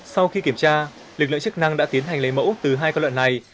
sau khi kiểm tra lực lượng chức năng đã tiến hành lấy mẫu từ hai con lợn này